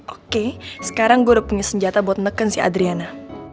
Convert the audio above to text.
oke sekarang gue udah punya senjata buat neken si adriana